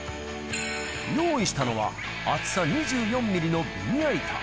用意したのは、厚さ２４ミリのベニヤ板。